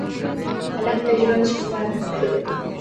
هلک د ژوند ښکلا ده.